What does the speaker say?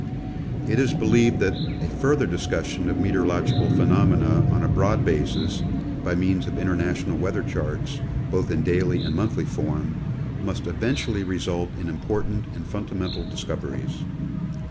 It is believed Geography of the Air. 159 that a further discussion of meteorological phenomena on a broad basis, by means of International Weather Charts, both in daily and monthly form, must eventually result in important and fun damental discoveries.